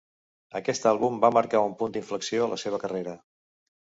Aquest àlbum va marcar un punt d'inflexió a la seva carrera.